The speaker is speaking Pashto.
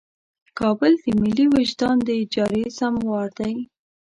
کابل د ملي وجدان د اجارې سموار دی.